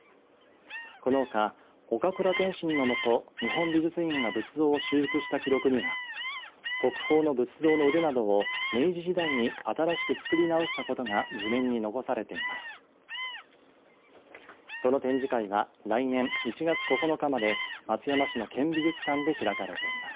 このほか、岡倉天心のもと日本美術院が仏像を修復した記録には国宝の仏像の腕などを明治時代に新しく作り直したことが図面に残されています。